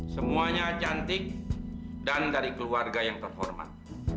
semuanya cantik dan dari keluarga yang terhormat